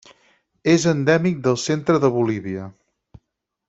És endèmic del centre de Bolívia.